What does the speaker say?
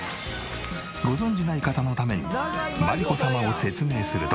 ご存じない方のために真理子様を説明すると。